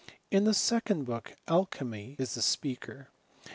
In the second book, il^Aymy is the speaker.